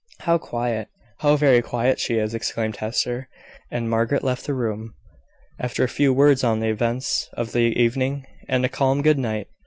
"How quiet, how very quiet she is!" exclaimed Hester, an Margaret left the room, after a few words on the events of the evening, and a calm good night.